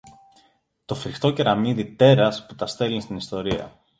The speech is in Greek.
το φριχτό κεραμιδί τέρας που τα στέλνει στην ιστορία